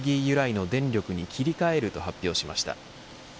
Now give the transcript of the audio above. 由来の電力に切り替えると発表しました。